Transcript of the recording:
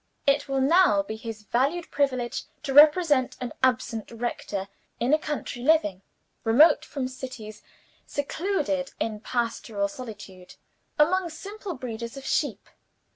It will now be his valued privilege to represent an absent rector in a country living; remote from cities, secluded in pastoral solitude, among simple breeders of sheep.